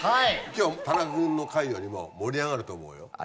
今日田中君の回よりも盛り上がると思うよ。